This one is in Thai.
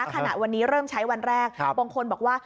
ขณะวันนี้เริ่มใช้วันแรกบางคนบอกว่า